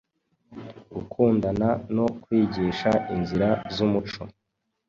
gukundana no kwigisha inzira zumuco